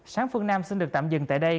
sáng phương nam xin được tạm dừng tại đây